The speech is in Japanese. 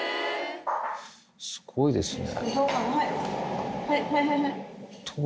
すごいですね。